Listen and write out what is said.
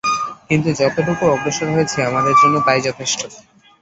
কিন্তু যতটুকু অগ্রসর হয়েছি আমাদের জন্য তাই যথেষ্ট।